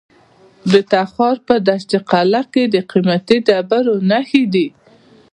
د تخار په دشت قلعه کې د قیمتي ډبرو نښې دي.